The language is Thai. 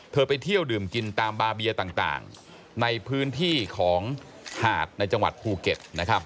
ไปเที่ยวดื่มกินตามบาเบียต่างในพื้นที่ของหาดในจังหวัดภูเก็ตนะครับ